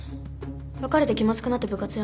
別れて気まずくなって部活辞めた。